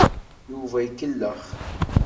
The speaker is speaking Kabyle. Yuba ikellex.